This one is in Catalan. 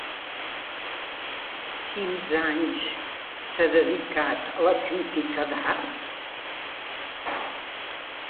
Quins anys s'ha dedicat a la crítica d'art?